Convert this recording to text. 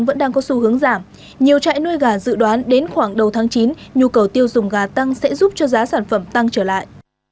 vẫn đang có xu hướng giảm nhiều trại nuôi gà dự đoán đến khoảng đầu tháng chín nhu cầu tiêu dùng gà tăng sẽ giúp cho giá sản phẩm tăng trở lại